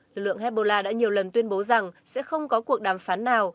lực lượng hezbollah đã nhiều lần tuyên bố rằng sẽ không có cuộc đàm phán nào